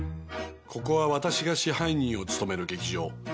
ここは私が支配人を務める劇場。